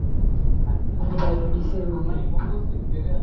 আমি ডায়াবেটিসের রোগী।